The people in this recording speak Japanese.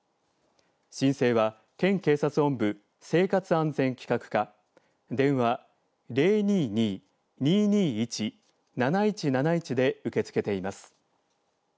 申請は県警察本部生活安全企画課電話０２２‐２２１‐７１７１で受け付けています。